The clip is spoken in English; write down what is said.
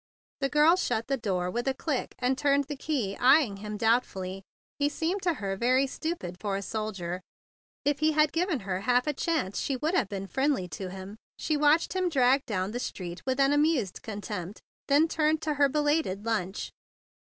The girl shut the door with a click, and turned the key, eyeing him doubtfully. He seemed to her very stupid for a soldier. If he had given her half a chance, she would have been friendly to him. She watched him drag down the street with an amused con¬ tempt, then turned to her belated lunch.